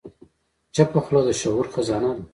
چپه خوله، د شعور خزانه ده.